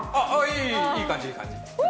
いい感じいい感じ。